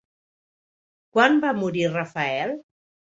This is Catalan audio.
Quan va morir Rafael?